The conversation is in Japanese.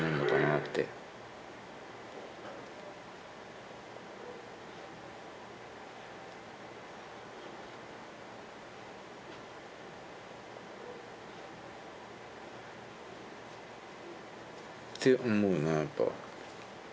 って思うなやっぱ。